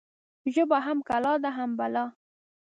ژبه هم کلا ده، هم بلا